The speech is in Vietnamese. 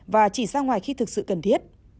và chỉ ra ngoài khi thực sự cần thiết